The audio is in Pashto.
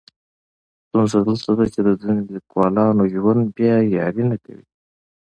ستونزه دلته ده چې د ځینو لیکولانو ژوند بیا یاري نه کوي.